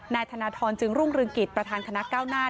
นายธนทรจึงรุ่งเรืองกิจประธานคณะก้าวหน้า